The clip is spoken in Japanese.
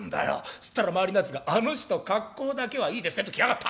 そしたら周りのやつが『あの人格好だけはいいですね』ときやがった。